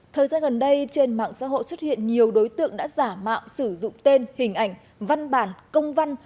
thời gian gần đây trên mạng xã hội xuất hiện nhiều đối tượng đã giả mạo sử dụng tên hình ảnh văn bản công văn